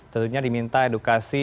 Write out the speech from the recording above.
tentunya diminta edukasi